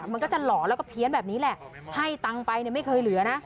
มันก็จะหล่อแล้วก็เพี้ยนแบบนี้แหละให้ตังค์ไปไม่เคยเหลือนะ